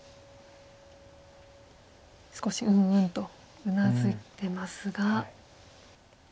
少しうんうんとうなずいてますが。